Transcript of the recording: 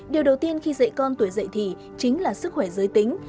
điều đầu tiên khi dạy con tuổi dậy thì chính là sức khỏe giới tính